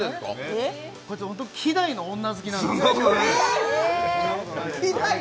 こいつ希代の女好きなんですよ。